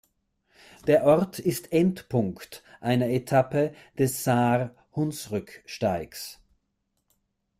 Der Ort ist Endpunkt einer Etappe des Saar-Hunsrück-Steigs.